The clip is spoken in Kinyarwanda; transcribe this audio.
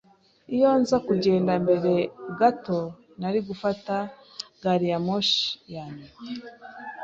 Iyo nza kugenda mbere gato, nari gufata gari ya moshi ya nyuma.